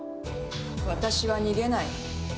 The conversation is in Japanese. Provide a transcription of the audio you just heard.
私は逃げない。